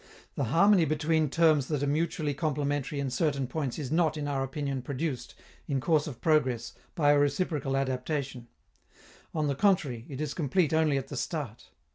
The harmony between terms that are mutually complementary in certain points is not, in our opinion, produced, in course of progress, by a reciprocal adaptation; on the contrary, it is complete only at the start.